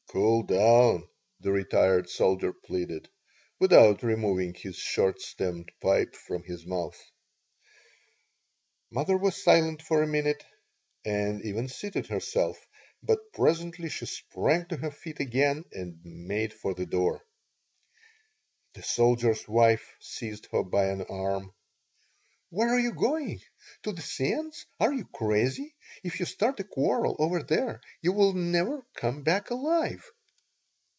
"Cool down," the retired soldier pleaded, without removing his short stemmed pipe from his mouth Mother was silent for a minute, and even seated herself, but presently she sprang to her feet again and made for the door The soldier's wife seized her by an arm "Where are you going? To the Sands? Are you crazy? If you start a quarrel over there you'll never come back alive."